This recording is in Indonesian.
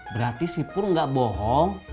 berarti si pur ga bohong